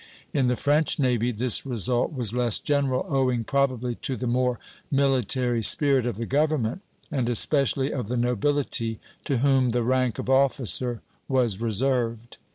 In the French navy this result was less general, owing probably to the more military spirit of the government, and especially of the nobility, to whom the rank of officer was reserved.